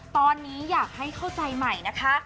ตอนนี้อยากให้เข้าใจใหม่นะคะ